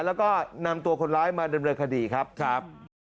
แล้วก็นำตัวคนร้ายมาดำเนินคดีครับครับ